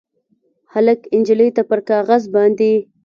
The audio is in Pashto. هلک نجلۍ ته پر کاغذ باندې